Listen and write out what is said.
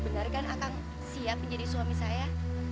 benarkan akan siap menjadi suami saya